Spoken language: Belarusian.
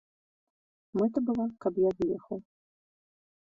Мэта была, каб я з'ехаў.